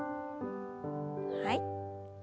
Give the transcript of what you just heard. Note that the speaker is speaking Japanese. はい。